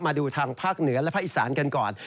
มาดูทางภาคเหนือและภาคอีสานกันก่อน